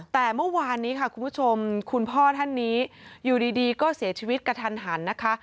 แต่เมื่อวานนี้ค่ะคุณผู้ชมคุณพ่อท่านนี้อยู่ดีก็เสียชีวิตกระทันหันนะคะ